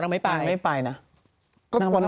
ไม่ยอมไป